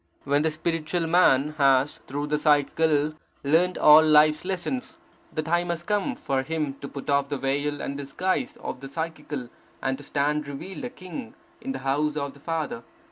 When the spiritual man has, through the psychical, learned all life's lessons, the time has come for him to put off the veil and disguise of the psychical and to stand revealed a King, in the house of the Father.